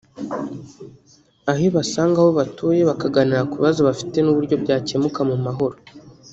aho ibasanga aho batuye bakaganira ku bibazo bafite n’uburyo byakemuka mu mahoro